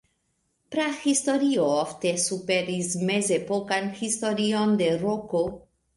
Prahistorio ofte superis mezepokan historion de Roko.